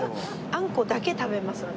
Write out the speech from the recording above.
あんこだけ食べます私。